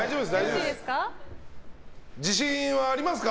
自信はありますか？